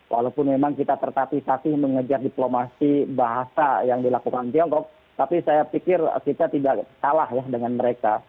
walaupun memang kita tertapi sapi mengejar diplomasi bahasa yang dilakukan tiongkok tapi saya pikir kita tidak salah ya dengan mereka